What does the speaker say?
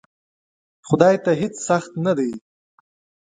خدای ته هیڅ سخت نه دی!